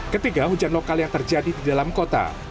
ketiga hujan lokal yang terjadi di dalam kota